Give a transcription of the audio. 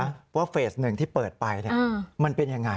เพราะว่าเฟส๑ที่เปิดไปมันเป็นอย่างไร